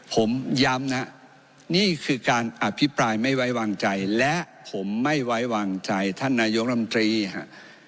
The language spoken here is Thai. ผมย้ำนะนี่คือการอภิปรายไม่ไว้วางใจและผมไม่ไว้วางใจท่านนายกรรมตรีฮะ